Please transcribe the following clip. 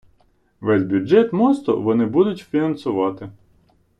Весь бюджет мосту вони будуть фінансувати.